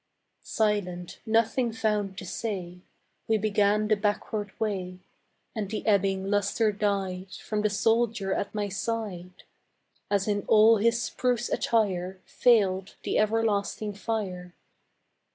Silent, nothing found to say, We began the backward way; And the ebbing luster died From the soldier at my side, As in all his spruce attire Failed the everlasting fire.